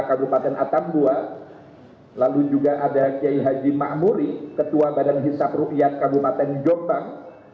kabupaten atambua lalu juga ada kiai haji ma'amuri ketua badan hisab rukyat kabupaten jombang